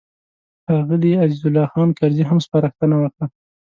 ښاغلي عزیز الله خان کرزي هم سپارښتنه وکړه.